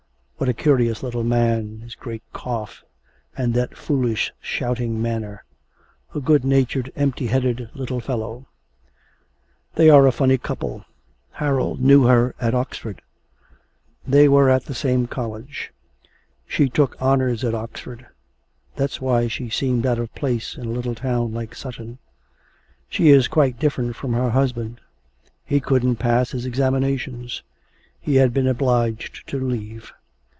What a curious little man, his great cough and that foolish shouting manner; a good natured, empty headed little fellow. They are a funny couple! Harold knew her husband at Oxford; they were at the same college. She took honours at Oxford; that's why she seemed out of place in a little town like Sutton. She is quite different from her husband; he couldn't pass his examinations; he had been obliged to leave.